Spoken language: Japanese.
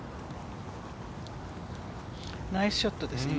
ナイスショットですね。